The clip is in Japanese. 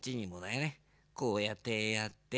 こうやってやって。